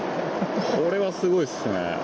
これはすごいっすね。